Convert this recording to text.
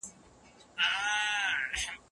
اوسمهال زموږ په کرونده کي ډېر هرزه بوټي راشنه کېږي.